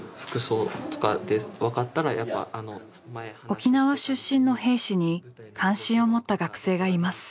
沖縄出身の兵士に関心を持った学生がいます。